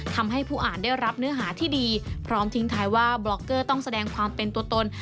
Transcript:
ทำให้ผู้อ่านได้รับเนื้อหาที่ดีพร้อมทิ้งท้ายว่าบล็อกเกอร์ต้องแสดงความเป็นตัวตน